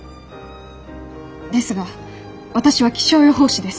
ですが私は気象予報士です。